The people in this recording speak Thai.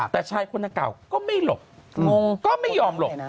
แต่ชายคนนางเก่าก็ไม่หลบงก็ไม่ยอมหลบ